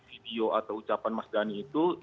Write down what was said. video atau ucapan mas dhani itu